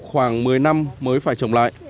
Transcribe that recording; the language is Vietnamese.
khoảng một mươi năm mới phải trồng lại